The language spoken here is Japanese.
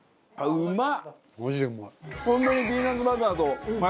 うまっ！